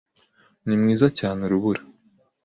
ni mwiza cyane urubura.